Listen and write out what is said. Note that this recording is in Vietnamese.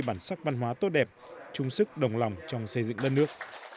bản sắc văn hóa tốt đẹp trung sức đồng lòng trong xây dựng đất nước